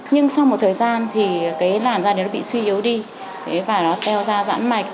nhưng sau một thời gian thì cái làn da này nó bị suy yếu đi và nó teo ra rãn mạch